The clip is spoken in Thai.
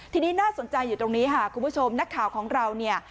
ทีนี้น่าสนใจอยู่ตรงนี้ค่ะคุณผู้ชมนักข่าวของเราเนี่ย